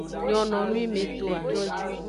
Nyononwimetoa.